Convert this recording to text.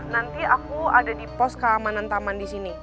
nanti aku ada di pos keamanan taman disini